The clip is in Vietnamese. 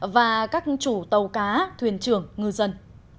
và các chủ tàu cá thuyền trưởng ngư dân